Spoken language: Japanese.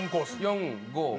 ４５。